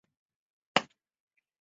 莫雷特。